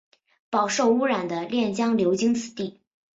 饱受污染的练江流经此地。